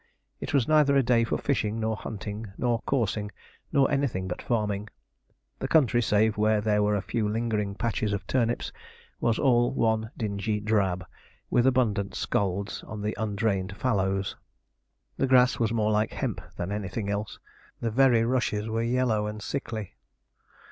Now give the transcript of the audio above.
It was neither a day for fishing, nor hunting, nor coursing, nor anything but farming. The country, save where there were a few lingering patches of turnips, was all one dingy drab, with abundant scalds on the undrained fallows. The grass was more like hemp than anything else. The very rushes were yellow and sickly.